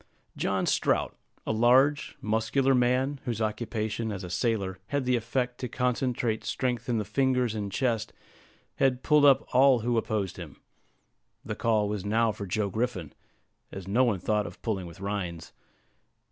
John Strout, a large, muscular man, whose occupation as a sailor had the effect to concentrate strength in the fingers and chest, had pulled up all who opposed him. The call was now for Joe Griffin, as no one thought of pulling with Rhines.